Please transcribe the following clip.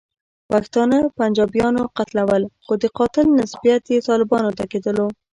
پښتانه پنجابیانو قتلول، خو د قاتل نسبیت یې طالبانو ته کېدلو.